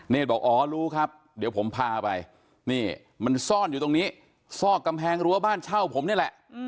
บอกอ๋อรู้ครับเดี๋ยวผมพาไปนี่มันซ่อนอยู่ตรงนี้ซอกกำแพงรั้วบ้านเช่าผมนี่แหละ